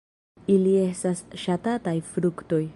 Ili estas ŝatataj fruktoj.